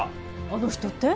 あの人って？